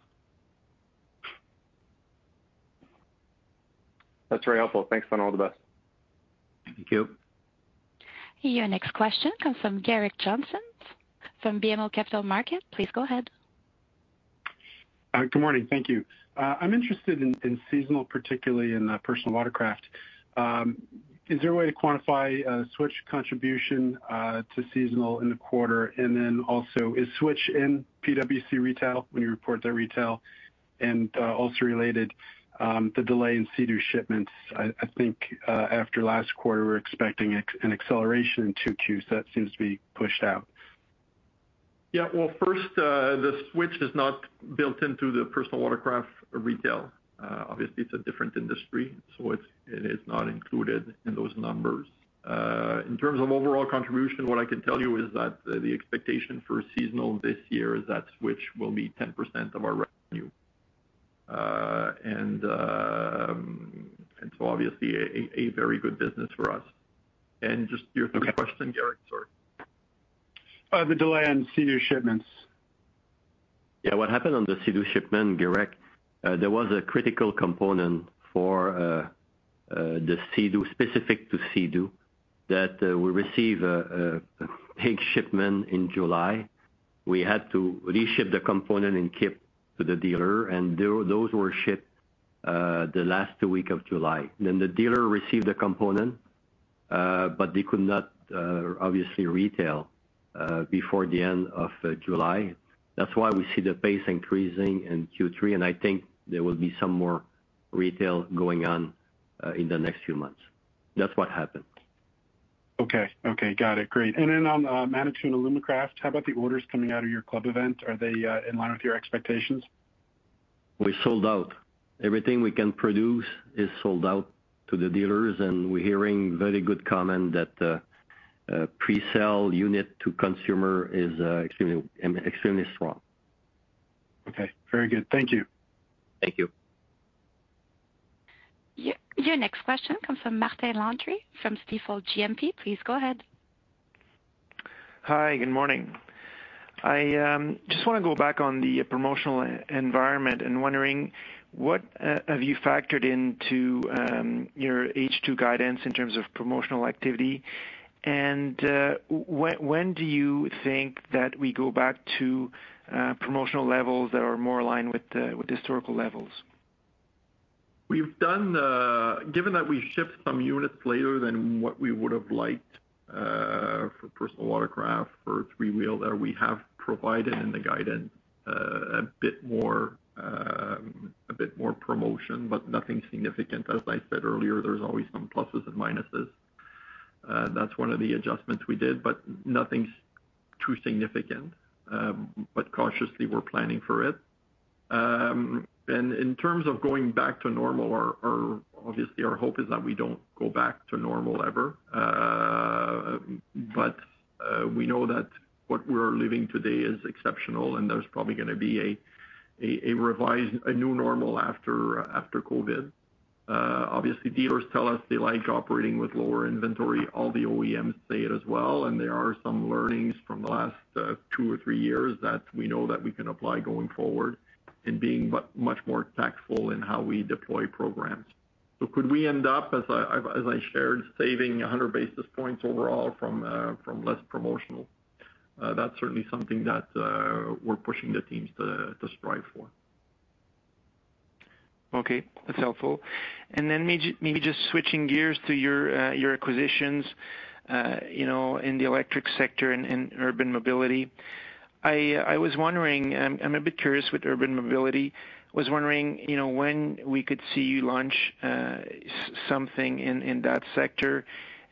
That's very helpful. Thanks, and all the best. Thank you. Your next question comes from Gerrick Johnson from BMO Capital Markets. Please go ahead. Good morning. Thank you. I'm interested in seasonal, particularly in personal watercraft. Is there a way to quantify Switch contribution to seasonal in the quarter? Then also is Switch in PWC retail when you report their retail? Also related, the delay in Sea-Doo shipments. I think, after last quarter, we're expecting an acceleration in 2Qs. That seems to be pushed out. Yeah. Well, first, the Switch is not built into the personal watercraft retail. Obviously, it's a different industry, so it is not included in those numbers. In terms of overall contribution, what I can tell you is that the expectation for Sea-Doo this year is that Switch will be 10% of our revenue. Obviously, a very good business for us. Just your third question, Gerrick, sorry. The delay on Sea-Doo shipments. Yeah. What happened on the Sea-Doo shipment, Gerrick, there was a critical component for the Sea-Doo, specific to Sea-Doo, that we receive a big shipment in July. We had to reship the component and get to the dealer, and those were shipped the last two weeks of July. Then the dealer received the component, but they could not obviously retail before the end of July. That's why we see the pace increasing in Q3, and I think there will be some more retail going on in the next few months. That's what happened. Okay. Got it. Great. On Manitou and Alumacraft, how about the orders coming out of your club event? Are they in line with your expectations? We sold out. Everything we can produce is sold out to the dealers, and we're hearing very good comments that pre-sell units to consumers are extremely strong. Okay. Very good. Thank you. Thank you. Your next question comes from Martin Landry from Stifel GMP. Please go ahead. Hi, good morning. I just wanna go back on the promotional environment and wondering what have you factored into your H2 guidance in terms of promotional activity? When do you think that we go back to promotional levels that are more aligned with historical levels? Given that we shipped some units later than what we would have liked, for personal watercraft, for three-wheel, that we have provided in the guidance, a bit more promotion, but nothing significant. As I said earlier, there's always some pluses and minuses. That's one of the adjustments we did, but nothing's too significant. Cautiously we're planning for it. In terms of going back to normal, our hope is that we don't go back to normal ever. We know that what we're living today is exceptional and there's probably gonna be a revised new normal after COVID. Obviously, dealers tell us they like operating with lower inventory. All the OEMs say it as well, and there are some learnings from the last two or three years that we know that we can apply going forward in being much more tactful in how we deploy programs. Could we end up, as I've shared, saving 100 basis points overall from less promotional? That's certainly something that we're pushing the teams to strive for. Okay. That's helpful. Maybe just switching gears to your acquisitions, you know, in the electric sector and urban mobility. I was wondering, I'm a bit curious with urban mobility. You know, when we could see you launch something in that sector.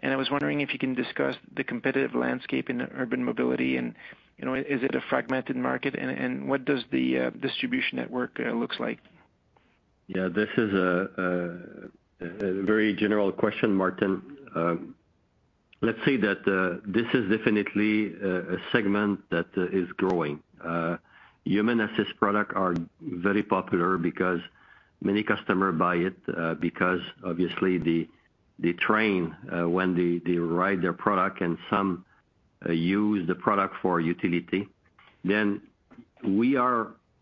I was wondering if you can discuss the competitive landscape in urban mobility and, you know, is it a fragmented market and what does the distribution network look like? Yeah, this is a very general question, Martin. Let's say that this is definitely a segment that is growing. Human assist products are very popular because many customers buy it because obviously they train when they ride their product and some use the product for utility.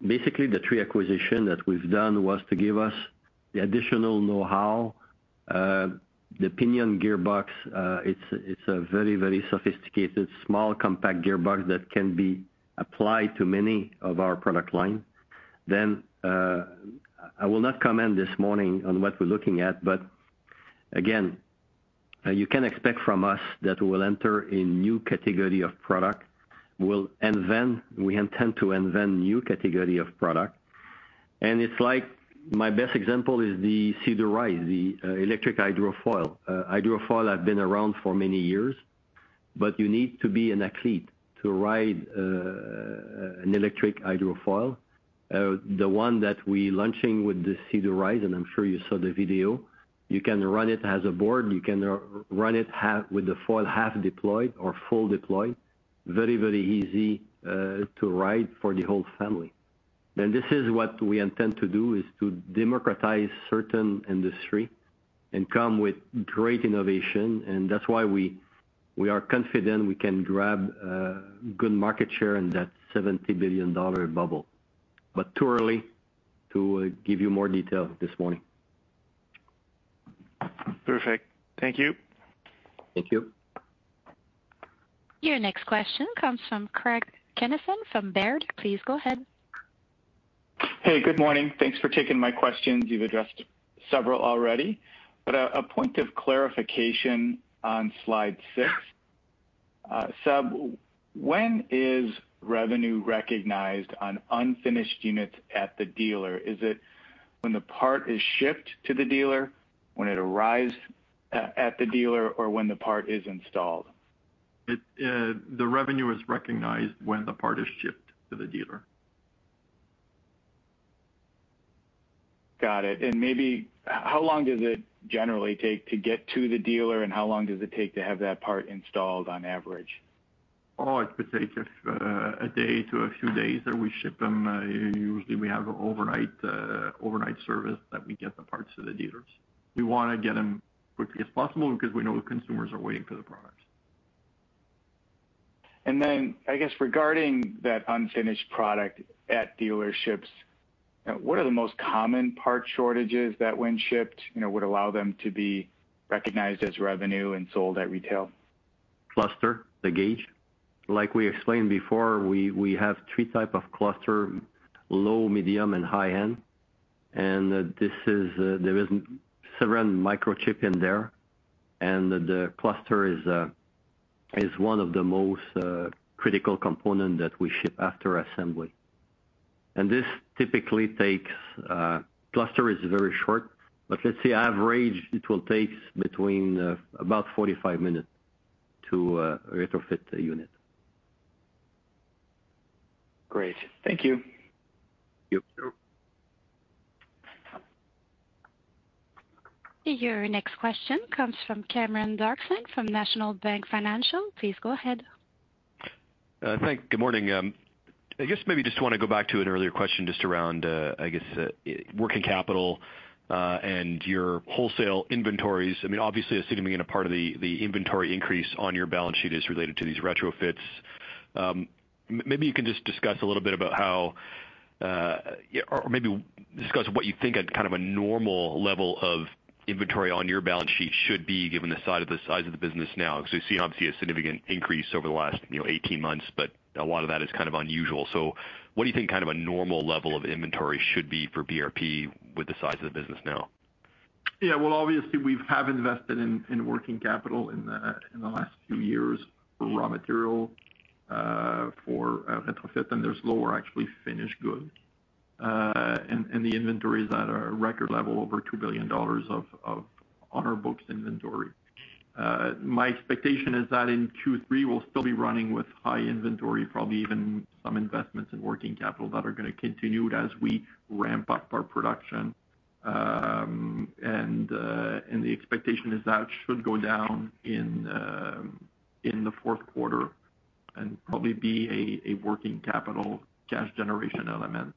Basically, the three acquisitions that we've done were to give us the additional know-how. The Pinion gearbox, it's a very sophisticated, small compact gearbox that can be applied to many of our product lines. Then I will not comment this morning on what we're looking at, but again, you can expect from us that we will enter in new category of product. We'll invent, we intend to invent new category of product. It's like my best example is the Sea-Doo Rise, the electric hydrofoil. Hydrofoils have been around for many years, but you need to be an athlete to ride an electric hydrofoil. The one that we launching with the Sea-Doo Rise, and I'm sure you saw the video, you can run it as a board, you can run it with the foil half deployed or full deployed. Very easy to ride for the whole family. This is what we intend to do, is to democratize certain industry and come with great innovation, and that's why we are confident we can grab good market share in that 70 billion dollar global. Too early to give you more detail this morning. Perfect. Thank you. Thank you. Your next question comes from Craig Kennison from Baird. Please go ahead. Hey, good morning. Thanks for taking my questions. You've addressed several already, a point of clarification on slide six. Seb, when is revenue recognized on unfinished units at the dealer? Is it when the part is shipped to the dealer, when it arrives at the dealer, or when the part is installed? The revenue is recognized when the part is shipped to the dealer. Got it. Maybe how long does it generally take to get to the dealer, and how long does it take to have that part installed on average? Oh, it could take a day to a few days, and we ship them. Usually we have overnight service that we get the parts to the dealers. We wanna get them quickly as possible because we know the consumers are waiting for the products. I guess regarding that unfinished product at dealerships, what are the most common part shortages that when shipped, you know, would allow them to be recognized as revenue and sold at retail? Cluster, the gauge. Like we explained before, we have three types of clusters: low, medium, and high-end. This is. There are several microchips in there, and the cluster is one of the most critical components that we ship after assembly. This typically takes. The cluster is very short, but let's say on average it will take between about 45 minutes to retrofit a unit. Great. Thank you. Thank you. Thank you. Your next question comes from Cameron Doerksen from National Bank Financial. Please go ahead. Good morning. I guess maybe just want to go back to an earlier question just around working capital and your wholesale inventories. I mean, obviously a significant part of the inventory increase on your balance sheet is related to these retrofits. Maybe you can just discuss a little bit about how or maybe discuss what you think a kind of a normal level of inventory on your balance sheet should be given the size of the business now, because we see obviously a significant increase over the last, you know, 18 months, but a lot of that is kind of unusual. What do you think kind of a normal level of inventory should be for BRP with the size of the business now? Yeah. Well, obviously we've invested in working capital in the last few years for raw material, for retrofit, and there's lower actually finished goods. And the inventory is at a record level, over 2 billion dollars of on our books inventory. My expectation is that in Q3 we'll still be running with high inventory, probably even some investments in working capital that are gonna continue as we ramp up our production. And the expectation is that should go down in the fourth quarter and probably be a working capital cash generation element.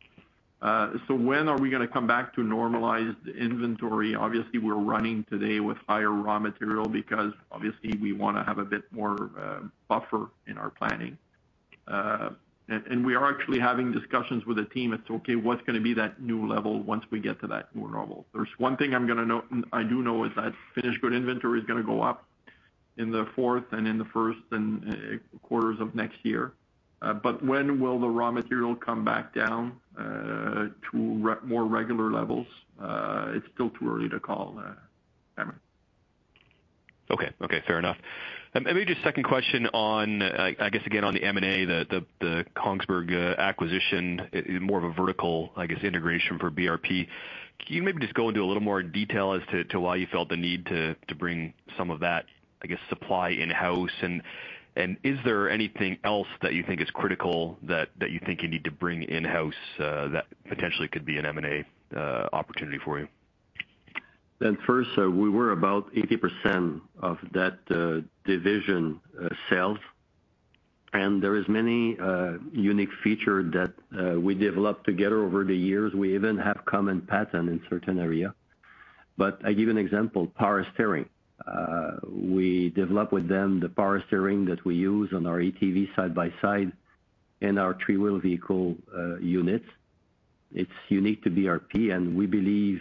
So when are we gonna come back to normalized inventory? Obviously, we're running today with higher raw material because obviously we wanna have a bit more buffer in our planning. We are actually having discussions with the team as to, okay, what's gonna be that new level once we get to that new normal. There's one thing I do know is that finished goods inventory is gonna go up in the fourth and first quarters of next year. When will the raw materials come back down to more regular levels? It's still too early to call, Cameron. Okay. Fair enough. Maybe just second question on, I guess again on the M&A, the Kongsberg acquisition, it's more of a vertical, I guess, integration for BRP. Can you maybe just go into a little more detail as to why you felt the need to bring some of that, I guess, supply in-house? Is there anything else that you think is critical that you think you need to bring in-house, that potentially could be an M&A opportunity for you? First, we were about 80% of that division sales. There is many unique feature that we developed together over the years. We even have common pattern in certain area. I give an example, power steering. We develop with them the power steering that we use on our ATV side-by-side and our three-wheel vehicle units. It's unique to BRP, and we believe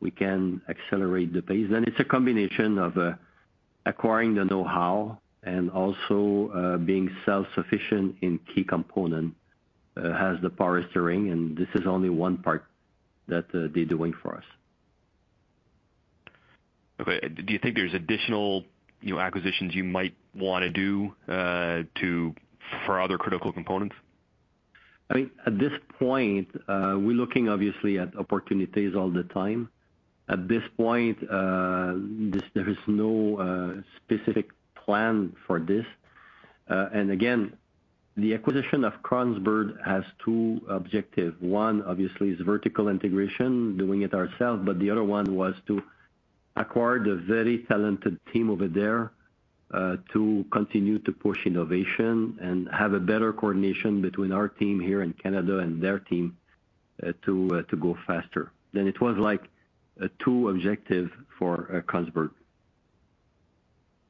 we can accelerate the pace. It's a combination of acquiring the know-how and also being self-sufficient in key component as the power steering, and this is only one part that they're doing for us. Okay. Do you think there's additional, you know, acquisitions you might wanna do for other critical components? I mean, at this point, we're looking obviously at opportunities all the time. At this point, there is no specific plan for this. Again, the acquisition of Kongsberg has two objective. One obviously is vertical integration, doing it ourselves, but the other one was to acquire the very talented team over there, to continue to push innovation and have a better coordination between our team here in Canada and their team, to go faster. It was like a two objective for Kongsberg.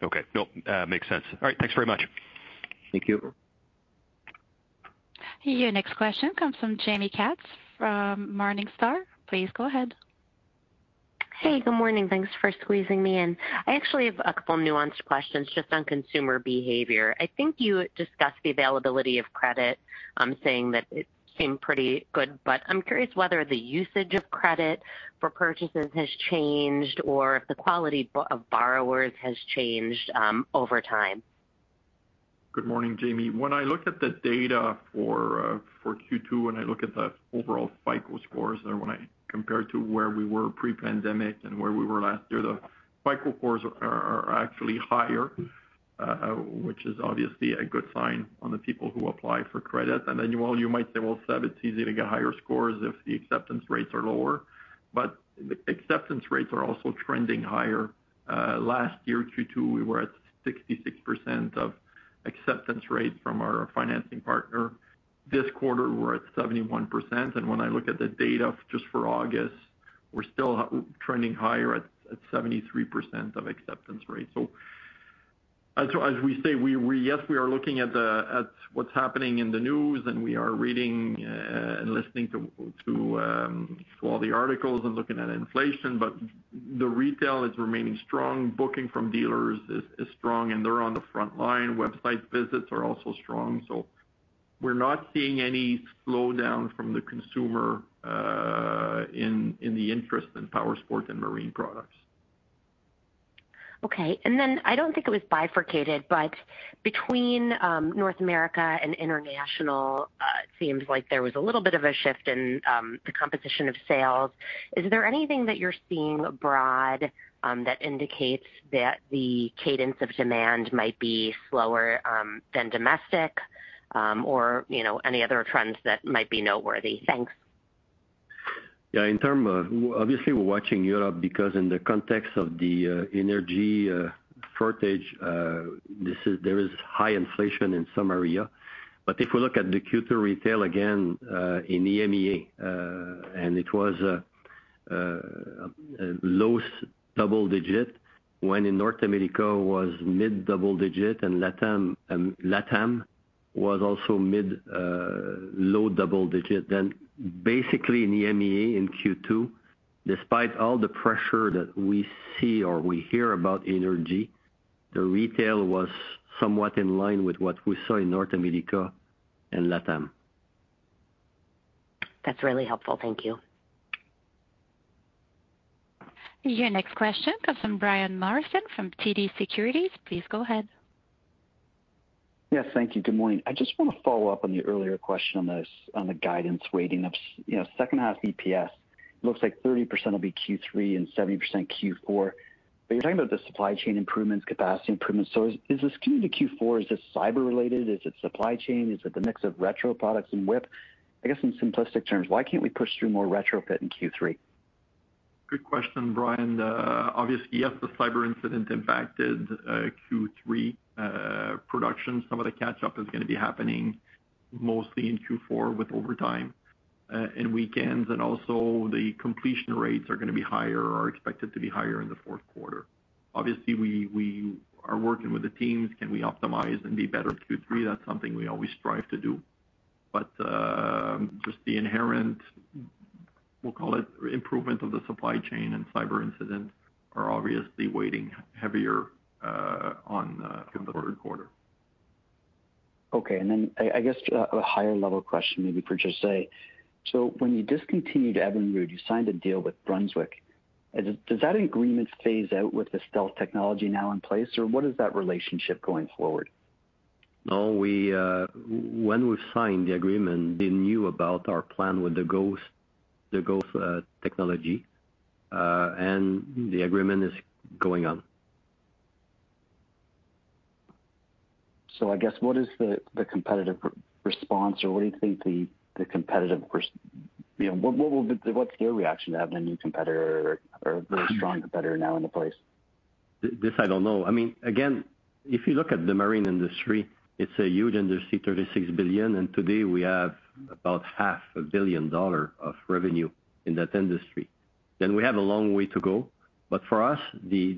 Okay. No, makes sense. All right. Thanks very much. Thank you. Your next question comes from Jaime Katz from Morningstar. Please go ahead. Hey, good morning. Thanks for squeezing me in. I actually have a couple nuanced questions just on consumer behavior. I think you discussed the availability of credit, saying that it seemed pretty good, but I'm curious whether the usage of credit for purchases has changed or if the quality of borrowers has changed over time? Good morning, Jaime. When I look at the data for Q2, and I look at the overall FICO scores there, when I compare to where we were pre-pandemic and where we were last year, the FICO scores are actually higher, which is obviously a good sign on the people who apply for credit. Then you all, you might say, "Well, Seb, it's easy to get higher scores if the acceptance rates are lower." The acceptance rates are also trending higher. Last year, Q2, we were at 66% of acceptance rates from our financing partner. This quarter, we're at 71%. When I look at the data just for August, we're still trending higher at 73% of acceptance rate. As we say, we... Yes, we are looking at what's happening in the news, and we are reading and listening to all the articles and looking at inflation, but the retail is remaining strong. Booking from dealers is strong and they're on the front line. Website visits are also strong. We're not seeing any slowdown from the consumer in the interest in powersports and marine products. Okay. I don't think it was bifurcated, but between North America and international, it seems like there was a little bit of a shift in the composition of sales. Is there anything that you're seeing abroad that indicates that the cadence of demand might be slower than domestic, or you know, any other trends that might be noteworthy? Thanks. Yeah, in terms of. Obviously, we're watching Europe because in the context of the energy shortage, there is high inflation in some area. If we look at the Q2 retail again in EMEA, and it was low double digit, when in North America was mid-double digit and LATAM was also mid-low-double digit. Basically in EMEA in Q2, despite all the pressure that we see or we hear about energy, the retail was somewhat in line with what we saw in North America and LATAM. That's really helpful. Thank you. Your next question comes from Brian Morrison from TD Securities. Please go ahead. Yes. Thank you. Good morning. I just wanna follow up on the earlier question on this, on the guidance weighting of, you know, second half EPS. Looks like 30% will be Q3 and 70% Q4. But you're talking about the supply chain improvements, capacity improvements. So is this skewed to Q4? Is this cyber related? Is it supply chain? Is it the mix of retrofit products and WIP? I guess in simplistic terms, why can't we push through more retrofit in Q3? Good question, Brian. Obviously, yes, the cyber incident impacted Q3 production. Some of the catch-up is gonna be happening mostly in Q4 with overtime and weekends. The completion rates are gonna be higher or are expected to be higher in the fourth quarter. Obviously, we are working with the teams. Can we optimize and be better in Q3? That's something we always strive to do. Just the inherent, we'll call it improvement of the supply chain and cyber incidents are obviously weighing heavier on the third quarter. Okay. I guess a higher level question maybe for just. When you discontinued Evinrude, you signed a deal with Brunswick. Does that agreement phase out with the Stealth technology now in place, or what is that relationship going forward? No. We, when we signed the agreement, they knew about our plan with the Ghost technology, and the agreement is going on. I guess what is the competitive response or what do you think the competitive response? You know, what's your reaction to having a new competitor or a very strong competitor now in place? This, I don't know. I mean, again, if you look at the marine industry, it's a huge industry, $36 billion, and today we have about half a billion dollars of revenue in that industry. We have a long way to go. For us, the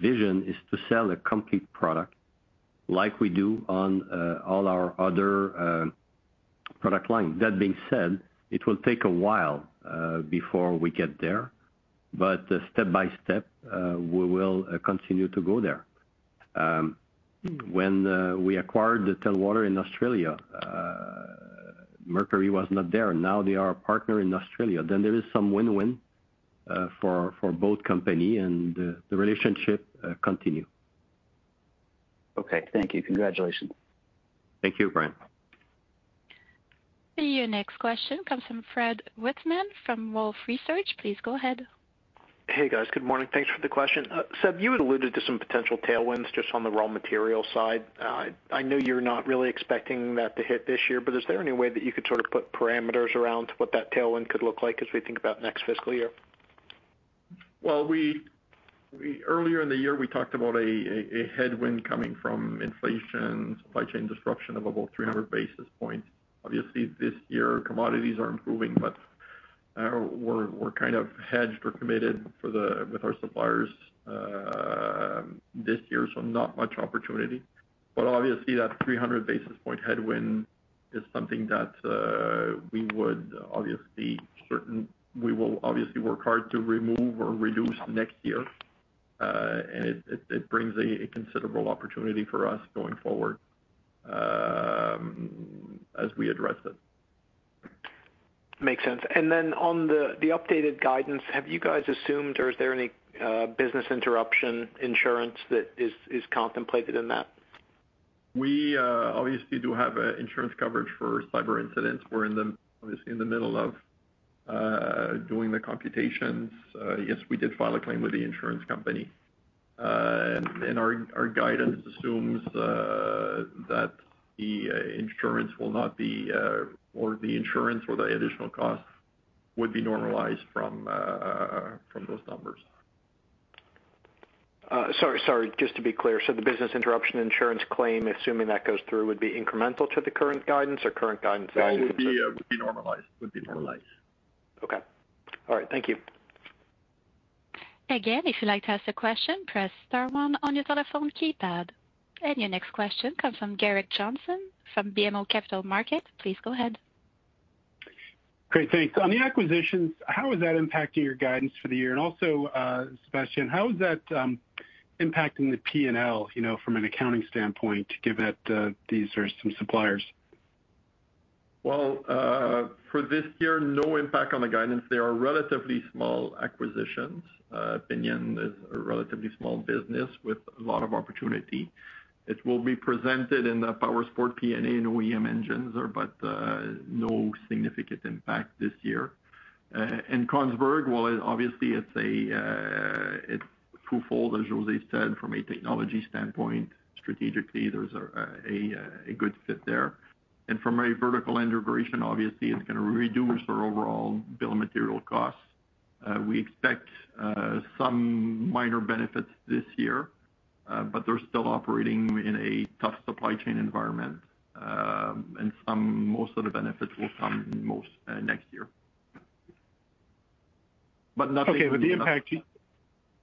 vision is to sell a complete product like we do on all our other product line. That being said, it will take a while before we get there. Step by step, we will continue to go there. When we acquired the Telwater in Australia, Mercury was not there. Now they are a partner in Australia. There is some win-win for both companies and the relationship continues. Okay. Thank you. Congratulations. Thank you, Brian. Your next question comes from Fred Wightman from Wolfe Research. Please go ahead. Hey, guys. Good morning. Thanks for the question. Seb, you had alluded to some potential tailwinds just on the raw material side. I know you're not really expecting that to hit this year, but is there any way that you could sort of put parameters around what that tailwind could look like as we think about next fiscal year? Well, earlier in the year, we talked about a headwind coming from inflation, supply chain disruption of about 300 basis points. Obviously, this year, commodities are improving, but we're kind of hedged or committed with our suppliers this year, so not much opportunity. Obviously that 300 basis point headwind is something that we will obviously work hard to remove or reduce next year. It brings a considerable opportunity for us going forward as we address it. Makes sense. On the updated guidance, have you guys assumed or is there any business interruption insurance that is contemplated in that? We obviously do have insurance coverage for cyber incidents. We're obviously in the middle of doing the computations. Yes, we did file a claim with the insurance company. Our guidance assumes that the insurance or the additional costs would be normalized from those numbers. Sorry. Just to be clear, so the business interruption insurance claim, assuming that goes through, would be incremental to the current guidance? No, it would be normalized. Okay. All right. Thank you. Again, if you'd like to ask a question, press star one on your telephone keypad. Your next question comes from Gerrick Johnson from BMO Capital Markets. Please go ahead. Great, thanks. On the acquisitions, how is that impacting your guidance for the year? Also, Sébastien, how is that impacting the P&L, you know, from an accounting standpoint, given that these are some suppliers? Well, for this year, no impact on the guidance. They are relatively small acquisitions. Pinion is a relatively small business with a lot of opportunity. It will be presented in the Powersports PA&A and OEM engines, but no significant impact this year. Kongsberg, well, obviously, it's twofold, as José said, from a technology standpoint. Strategically, there's a good fit there. From a vertical integration, obviously, it's gonna reduce our overall bill of material costs. We expect some minor benefits this year, but they're still operating in a tough supply chain environment. Most of the benefits will come next year. Nothing- Okay. The impact.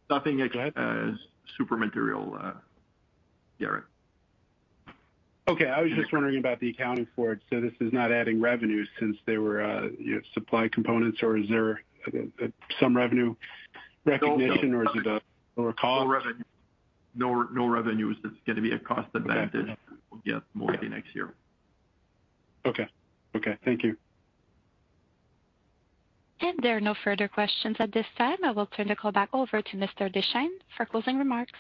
Nothing super material, Gerrick. Okay. I was just wondering about the accounting for it. This is not adding revenues since they were, you know, supply components or is there, some revenue recognition or is it a lower cost? No revenues. It's gonna be a cost advantage. Okay. We'll get more the next year. Okay. Thank you. There are no further questions at this time. I will turn the call back over to Mr. Deschênes for closing remarks.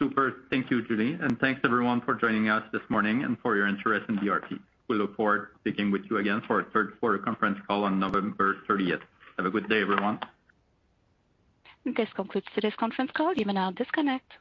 Super. Thank you, Julie. Thanks everyone for joining us this morning and for your interest in BRP. We look forward to speaking with you again for our third quarter conference call on November 30th. Have a good day, everyone. This concludes today's conference call. You may now disconnect.